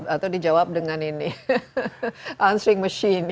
terus nanti dijawab dengan ini answering machine